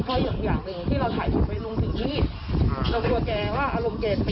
พออย่างอย่างหนึ่งที่เราใส่ไปลงสิ่งนี้อืมเรารู้ว่าแกว่าอารมณ์เกรงสิ